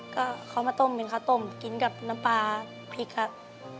ก็เขามาต้มเป็นข้าวต้มกินกับน้ำปลาพริกครับ